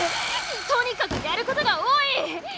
とにかくやることが多い！